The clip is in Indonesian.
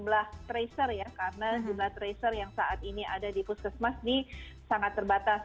jumlah tracer ya karena jumlah tracer yang saat ini ada di puskesmas ini sangat terbatas